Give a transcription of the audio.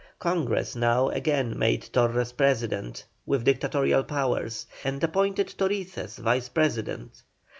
Congress now again made Torres President, with dictatorial powers, and appointed Torices Vice President.